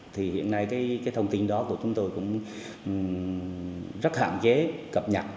thì hiện nay cái thông tin đó của chúng tôi cũng rất hạn chế cập nhật